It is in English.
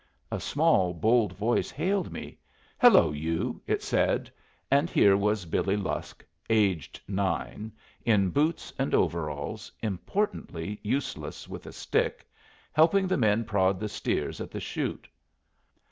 A small, bold voice hailed me. "Hello, you!" it said; and here was Billy Lusk, aged nine, in boots and overalls, importantly useless with a stick, helping the men prod the steers at the chute.